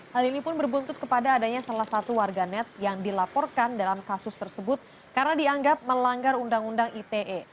hal ini pun berbuntut kepada adanya salah satu warganet yang dilaporkan dalam kasus tersebut karena dianggap melanggar undang undang ite